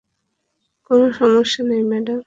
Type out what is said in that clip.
কোন সমস্যা নেই, ম্যাডাম।